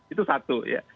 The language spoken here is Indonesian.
itu satu ya